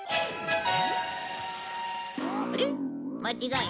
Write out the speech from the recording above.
間違い。